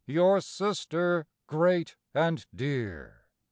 your sister great and dear.